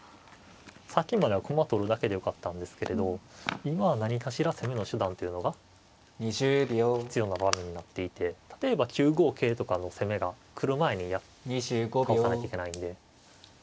さっきまでは駒取るだけでよかったんですけれど今は何かしら攻めの手段というのが必要な場面になっていて例えば９五桂とかの攻めが来る前に倒さないといけないんで。